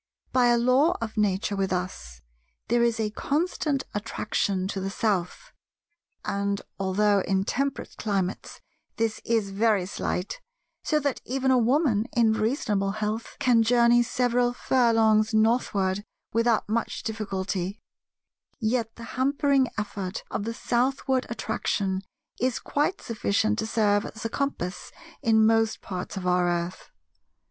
By a Law of Nature with us, there is a constant attraction to the South; and, although in temperate climates this is very slight—so that even a Woman in reasonable health can journey several furlongs northward without much difficulty—yet the hampering effort of the southward attraction is quite sufficient to serve as a compass in most parts of our earth.